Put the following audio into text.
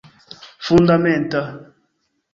fundamenta